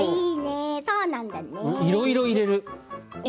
いろいろ入れる。